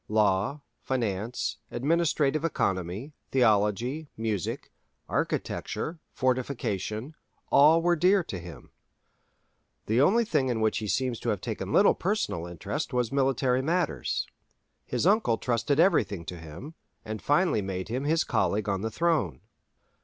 Law, finance, administrative economy, theology, music, architecture, fortification, all were dear to him. The only thing in which he seems to have taken little personal interest was military matters. His uncle trusted everything to him, and finally made him his colleague on the throne.